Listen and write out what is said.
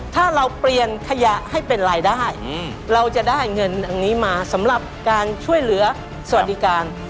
ถ้าเราเปลี่ยนขยะให้เป็นรายได้เราจะได้เงินอันนี้มาสำหรับการช่วยเหลือสวัสดิการ